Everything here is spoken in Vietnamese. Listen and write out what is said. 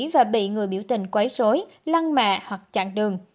và bị người biểu tình quấy rối lăng mạ hoặc chặn đường